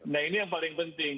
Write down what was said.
nah ini yang paling penting